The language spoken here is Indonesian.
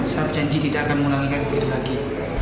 saya janji tidak akan mengulangkan begitu lagi